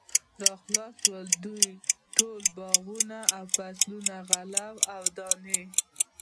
را خلاص شو، د دوی ټول باغونه او فصلونه، غلې او دانې